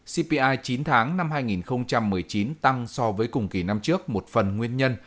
cpi chín tháng năm hai nghìn một mươi chín tăng so với cùng kỳ năm trước một phần nguyên nhân